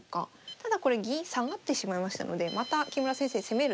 ただこれ銀下がってしまいましたのでまた木村先生攻める